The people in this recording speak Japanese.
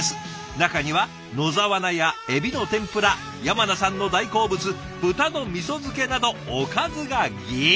中には野沢菜やエビの天ぷら山名さんの大好物豚のみそ漬けなどおかずがぎっしり！